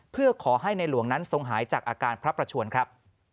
เพื่อขอให้ในหลวงนั้นทรงหายจากอาการพระประชวนครับ